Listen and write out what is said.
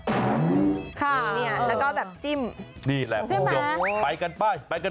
แล้วก็แบบจิ้มนี่แหละไปกันไป